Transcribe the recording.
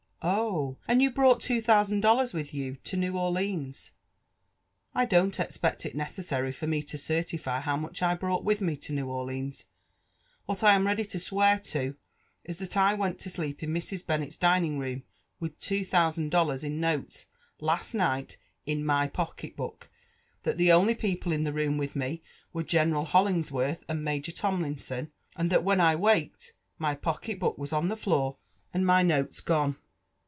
'*! and you broi^ht two thousand dollars with you to New Of lines?" '., ''I don't expect it's necessary for me to certify bow much I broughl with me to New OrlineSi What I am ready to swear to, is, that I went to sleep in Mrs. Bonnet's dining room with two thousand dollars in notes, last night, in my pocket book— that the only people in ttie loom with me were General Holingsworth and Major Tomlinson, — and thai :when I waked» my pocket book was on . the floor, and my notes gone."